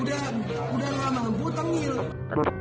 udah lama gue tenggil